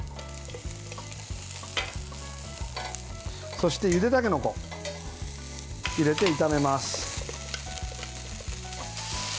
そしてゆでたけのこを入れて炒めます。